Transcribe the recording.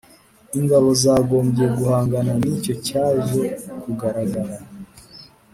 Ingabo zagombye guhangana ni cyo cyaje kugaragara